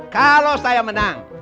kalau saya menang